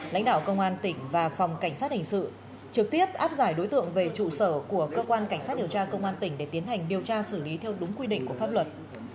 lãnh đạo công an tỉnh và phòng cảnh sát hình sự trực tiếp áp giải đối tượng về trụ sở của cơ quan cảnh sát điều tra công an tỉnh để tiến hành điều tra xử lý theo đúng quy định của pháp luật